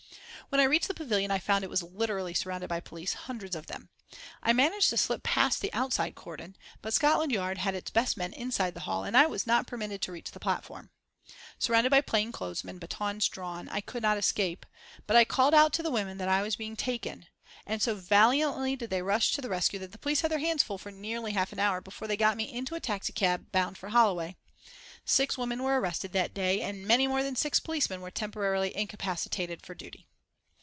When I reached the Pavillion I found it literally surrounded by police, hundreds of them. I managed to slip past the outside cordon, but Scotland Yard had its best men inside the hall, and I was not permitted to reach the platform. Surrounded by plain clothes men, batons drawn, I could not escape, but I called out to the women that I was being taken, and so valiantly did they rush to the rescue that the police had their hands full for nearly half an hour before they got me into a taxicab bound for Holloway. Six women were arrested that day, and many more than six policemen were temporarily incapacitated for duty.